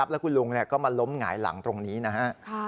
แล้วคุณลุงก็มาล้มหงายหลังตรงนี้นะฮะ